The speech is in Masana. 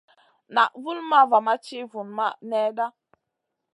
Naʼ vulmaʼ va ma ti vunmaʼ nèhda.